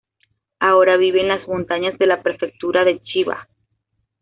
Ahora vive en las montañas de la prefectura de Chiba.